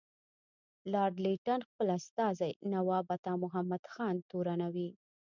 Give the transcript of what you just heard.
لارډ لیټن خپل استازی نواب عطامحمد خان تورنوي.